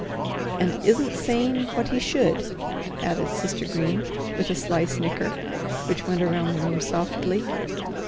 "And isn't saying what he should," added Sister Green, with a sly snicker, which went around the room softly.